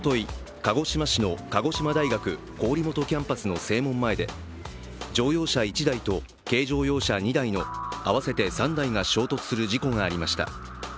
鹿児島市の鹿児島大学郡元キャンパスの正門前で乗用車１台と軽乗用車２台の合わせて３台が衝突する事故がありました。